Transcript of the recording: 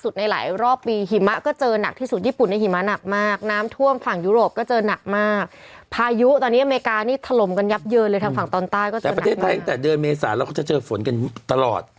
แต่ในประเทศไทยตั้งแต่เดือนเมษาเราก็จะเจอฝนกันตลอด